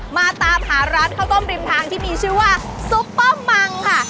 มาตามหาร้านข้าวต้มริมทางที่มีชื่อว่าซุปเปอร์มังค่ะ